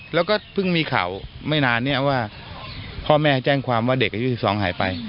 แล้วก็เพิ่งมีข่าวไม่นานเนี่ยว่าพ่อแม่แจ้งความว่าเด็กอายุ๑๒หายไป